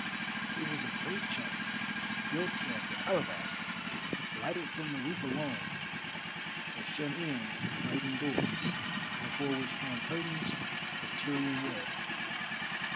It was a great chamber, built of alabaster, lighted from the roof alone, and shut in with brazen doors, before which hung curtains of Tyrian web.